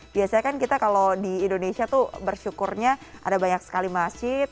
biasanya kan kita kalau di indonesia tuh bersyukurnya ada banyak sekali masjid